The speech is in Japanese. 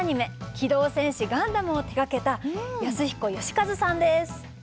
「機動戦士ガンダム」を手がけた安彦良和さんです。